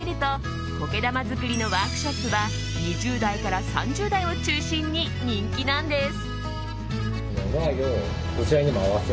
手軽に映える作品を作れると苔玉作りのワークショップは２０代から３０代を中心に人気なんです。